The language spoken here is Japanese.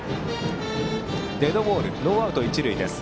デッドボールでノーアウト、一塁です。